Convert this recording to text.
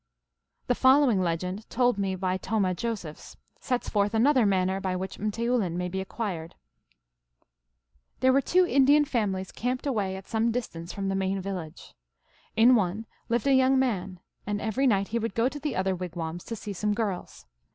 The following legend, told me by Tomah Josephs, sets forth another manner by which m teoulin may be acquired. 44 There were two Indian families camped away at some distance from the main village. In. one lived a young man, and every night he would go to the other wigwams to see some girls.